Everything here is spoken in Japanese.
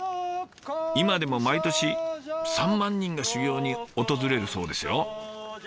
今でも毎年３万人が修行に訪れるそうですよ。